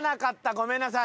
ごめんなさい。